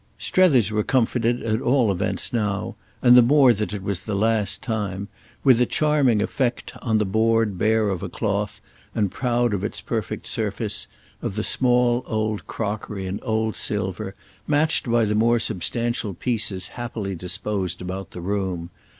Strether's were comforted at all events now—and the more that it was the last time—with the charming effect, on the board bare of a cloth and proud of its perfect surface, of the small old crockery and old silver, matched by the more substantial pieces happily disposed about the room.